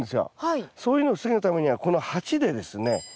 そういうのを防ぐためにはこの鉢でですね